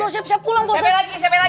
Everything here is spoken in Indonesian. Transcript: mau siap siap pulang pak ustadz